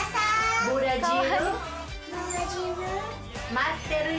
待ってるよ。